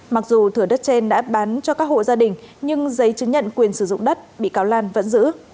mặc dù thửa đất trên đã bán cho các hộ gia đình nhưng giấy chứng nhận quyền sử dụng đất bị cáo lan vẫn giữ